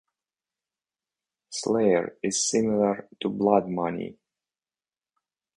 "Slayer" is similar to Blood Money.